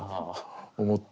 思って。